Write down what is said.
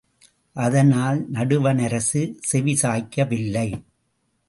அதனால் நடுவணரசு செவிசாய்க்கவில்லை.